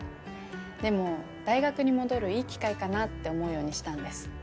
でも大学に戻るいい機会かなって思うようにしたんです。